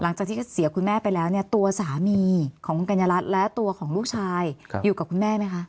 หลังจากที่เสียคุณแม่ไปแล้วเนี่ยตัวสามีของคุณกัญญารัฐและตัวของลูกชายอยู่กับคุณแม่ไหมคะ